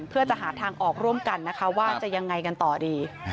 เพื่อจะหาทางออกร่วมกันนะคะว่าจะยังไงกันต่อดี